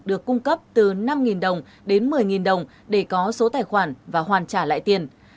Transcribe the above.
được cung cấp từ năm đồng đến một mươi đồng để có số tài khoản và hoàn trả lại tiền